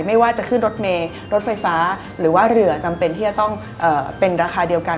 ไม่ว่าจะขึ้นรถเมย์รถไฟฟ้าหรือว่าเรือจำเป็นที่จะต้องเป็นราคาเดียวกัน